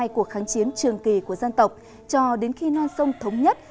hai cuộc kháng chiến trường kỳ của dân tộc cho đến khi non sông thống nhất